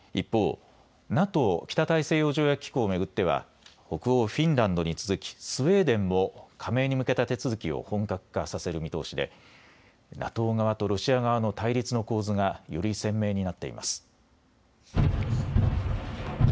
一方、ＮＡＴＯ・北大西洋条約機構を巡っては北欧フィンランドに続きスウェーデンも加盟に向けた手続きを本格化させる見通しでＮＡＴＯ側とロシア側の対立の構図がより鮮明になっています。